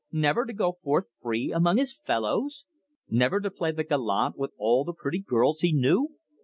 Never to go forth free among his fellows! Never to play the gallant with all the pretty girls he knew!